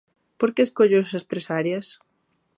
¿Por que escollo esas tres áreas?